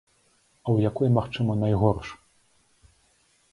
А ў якой, магчыма, найгорш?